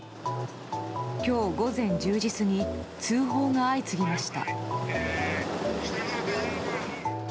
今日午前１０時過ぎ通報が相次ぎました。